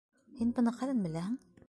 Һин быны ҡайҙан беләһең?